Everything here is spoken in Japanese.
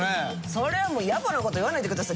それはもうやぼな事言わないでください。